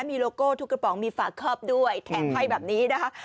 มีโลโก้ทุกกระป๋องมีฝากครอบด้วยแถมให้แบบนี้นะคะ